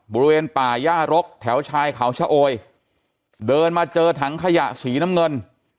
บริเวณป่าย่ารกแถวชายเขาชะโอยเดินมาเจอถังขยะสีน้ำเงิน